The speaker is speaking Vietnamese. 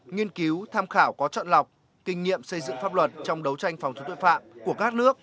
nghiên cứu tham khảo có trọn lọc kinh nghiệm xây dựng pháp luật trong đấu tranh phòng chống tội phạm của các nước